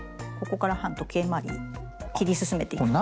ここから反時計まわりに切り進めていきます。